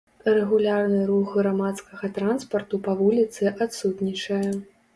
Рэгулярны рух грамадскага транспарту па вуліцы адсутнічае.